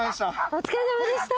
お疲れさまでした。